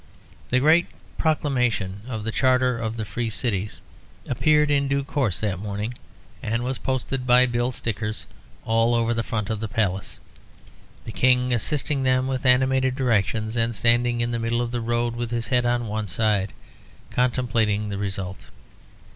"The Great Proclamation of the Charter of the Free Cities" appeared in due course that morning, and was posted by bill stickers all over the front of the Palace, the King assisting them with animated directions, and standing in the middle of the road, with his head on one side, contemplating the result.